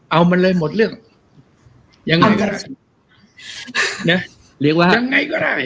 เอามันเลยหมดเรื่องยังไงก็ได้